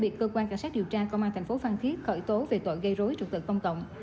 bị cơ quan cảnh sát điều tra công an thành phố phan thiết khởi tố về tội gây rối trực tự công cộng